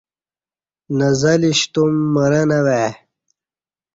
نہ زلی شتوم مرں نہ وای